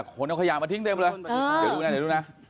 คนเอาขยะมาทิ้งเต็มเลยเดี๋ยวดูนะ